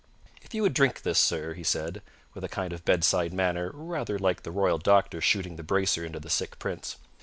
"If you would drink this, sir," he said, with a kind of bedside manner, rather like the royal doctor shooting the bracer into the sick prince.